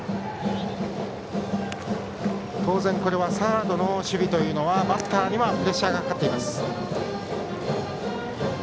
当然、サードの守備はバッターにはプレッシャーがかかっています。